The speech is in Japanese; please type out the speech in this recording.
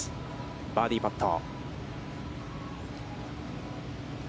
バーディーパット。